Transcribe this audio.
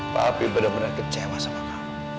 papi bener bener kecewa sama kamu